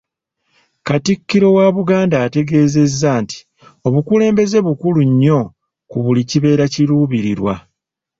Katikkiro wa Buganda ategeezezza nti obukulembeze bukulu nnyo ku buli kibeera kiruubirirwa.